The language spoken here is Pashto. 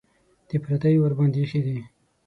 د پردیو ورباندې ایښي دي.